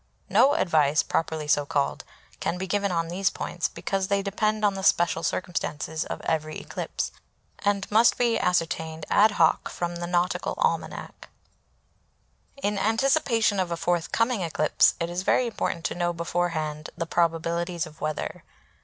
No advice, properly so called, can be given on these points, because they depend on the special circumstances of every eclipse, and must be ascertained ad hoc from the Nautical Almanac. In anticipation of a forthcoming eclipse, it is very important to know beforehand the probabilities of weather.